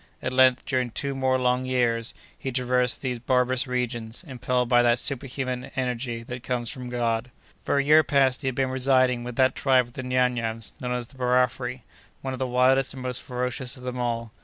At length, during two more long years, he traversed these barbarous regions, impelled by that superhuman energy that comes from God. For a year past he had been residing with that tribe of the Nyam Nyams known as the Barafri, one of the wildest and most ferocious of them all.